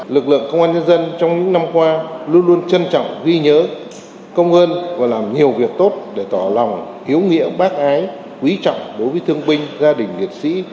lực lượng công an nhân dân trong những năm qua luôn luôn trân trọng ghi nhớ công ơn và làm nhiều việc tốt để tỏ lòng hiếu nghĩa bác ái quý trọng đối với thương binh gia đình liệt sĩ